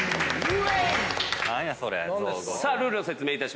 ルールを説明いたします。